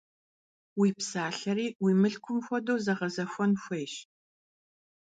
Уи псалъэри уи мылъкум хуэдэу зэгъэзэхуэн хуейщ.